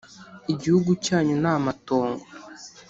Igihugu cyanyu ni amatongo,